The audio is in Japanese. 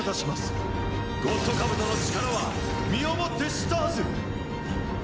ゴッドカブトの力は身をもって知ったはず。